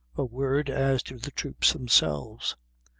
A word as to the troops themselves.